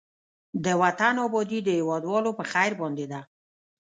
د وطن آبادي د هېوادوالو په خير باندې ده.